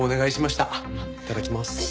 いただきます。